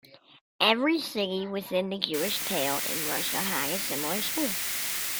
Every city within the Jewish Pale in Russia had a similar school.